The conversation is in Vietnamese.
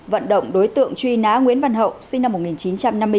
vận động đối tượng truy ná nguyễn văn hậu sinh năm một nghìn chín trăm năm mươi chín